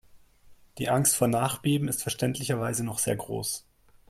Die Angst vor Nachbeben ist verständlicherweise noch sehr groß.